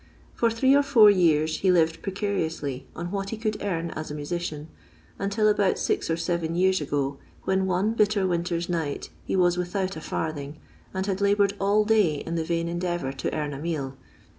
For three or four years he lived precariously on what he could earn as a musician, until about six or seven years ago, when one bitter winter's night he was with out a farthing, and had laboured all day in the vain endeavour to earn a meal.